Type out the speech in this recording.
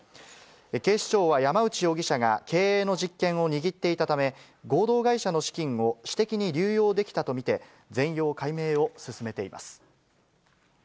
警視庁は、山内容疑者が経営の実権を握っていたため、合同会社の資金を私的に流用できたと見て、全容解明を進めています。